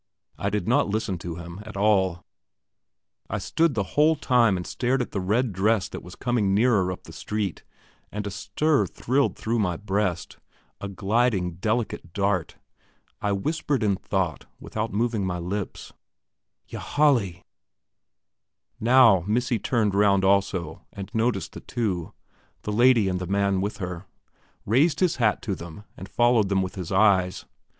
I did not listen to him at all; I stood the whole time and stared at the red dress that was coming nearer up the street, and a stir thrilled through my breast, a gliding delicate dart. I whispered in thought without moving my lips: "Ylajali!" Now "Missy" turned round also and noticed the two the lady and the man with her, raised his hat to them, and followed them with his eyes.